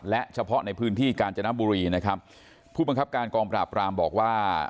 และเฉพาะในพื้นที่กาญจนบุรีนะครับผู้บังคับการกองปราบรามบอกว่า